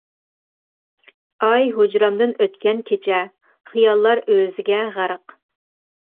ئاي ھۇجرامدىن ئۆتكەن كېچە، خىياللار ئۆزىگە غەرق.